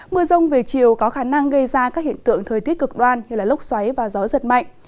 mưa rông về chiều có khả năng gây ra các hiện tượng thời tiết cực đoan như lốc xoáy và gió giật mạnh